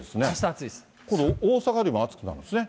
今度、大阪よりも暑くなるんですね。